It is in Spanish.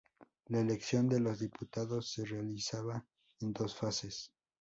La elección de los diputados se realizaba en dos fases.